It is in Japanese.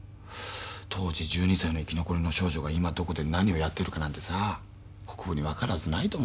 当時１２歳の生き残りの少女が今どこで何をやってるかなんて国府に分かるはずない。